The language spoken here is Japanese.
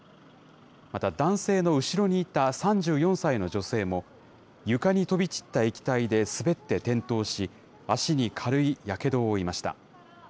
また、男性の後ろにいた３４歳の女性も、床に飛び散った液体で滑って転倒し、足に軽いやけどを負いました。